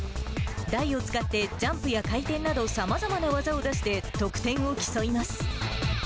台を使って、ジャンプや回転など、さまざまな技を出して、得点を競います。